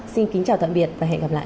xin kính chào tạm biệt và hẹn gặp lại